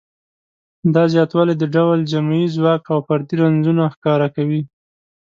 دا زیاتوالی د ډول جمعي ځواک او فردي رنځونه ښکاره کوي.